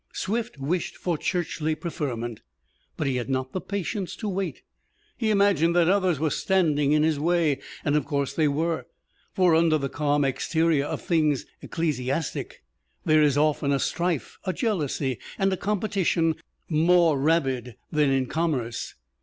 Swift wished for churchly preferment, but he had not the patience to wait. He imagined that others were standing in his way, and of course they were; for under the calm exterior of things ecclesiastic, there is often a strife, a jealousy and a competition more rabid than in commerce.